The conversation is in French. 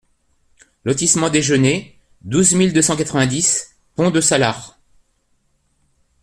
Lotissement les Genêts, douze mille deux cent quatre-vingt-dix Pont-de-Salars